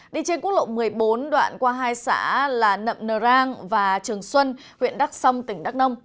đi trên quốc lộ một mươi bốn đoạn qua hai xã là nậm nờ rang và trường xuân huyện đắc song tỉnh đắk nông